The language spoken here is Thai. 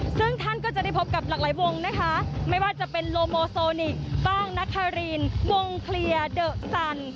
ซึ่งท่านก็จะได้พบกับหลากหลายวงนะคะไม่ว่าจะเป็นโลโมโซนิกบ้างนาคารีนวงเคลียร์เดอะสัน